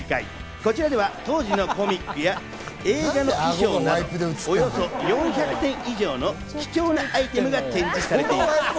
こちらでは当時のコミックや映画の衣装など、およそ４００点以上の貴重なアイテムが展示されています。